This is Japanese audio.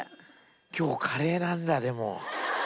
今日カレーなんだでも。